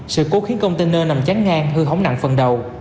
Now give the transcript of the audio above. sự cố khiến container nằm chán ngang hư hóng nặng phần đầu